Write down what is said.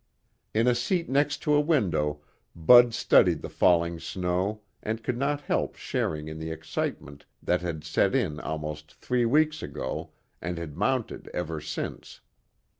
In a seat next to a window Bud studied the falling snow and could not help sharing in the excitement that had set in almost three weeks ago and had mounted ever since.